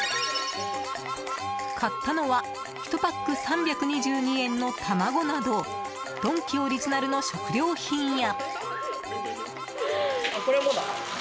買ったのは１パック、３２２円の卵などドンキオリジナルの食料品や。